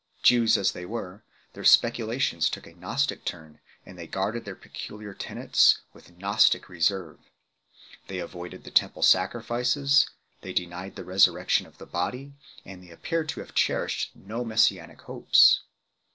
Jews as they were, "their speculations took a Gnostic turn, and they guarded their peculiar tenets with Gnostic reserve 2 ." They avoided the Temple sacrifices, they denied the resurrection of the body, and they appear to have cherished no Messianic hopes.